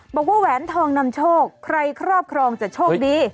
บอกว่าแหวนทองนำโชคใครครอบครองจะโชคดี